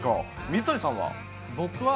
水谷さんは。